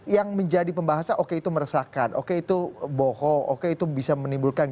yang menjadi pembahasan oke itu meresahkan oke itu bohong oke itu bisa menimbulkan